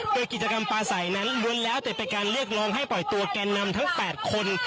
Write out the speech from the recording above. โดยกิจกรรมปลาใสนั้นล้วนแล้วแต่เป็นการเรียกร้องให้ปล่อยตัวแกนนำทั้ง๘คน